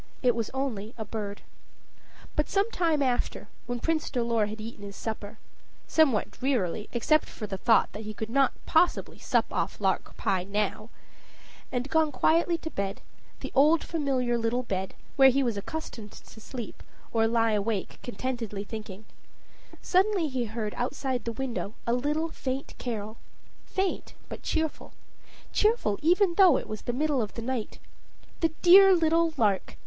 It was only a bird. But some time after, when Prince Dolor had eaten his supper somewhat drearily, except for the thought that he could not possibly sup off lark pie now and gone quietly to bed, the old familiar little bed, where he was accustomed to sleep, or lie awake contentedly thinking suddenly he heard outside the window a little faint carol faint but cheerful cheerful even though it was the middle of the night. The dear little lark!